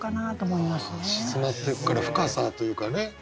沈まってくから深さというかね